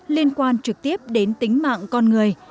liên quan trực tiếp đến tính mạng con người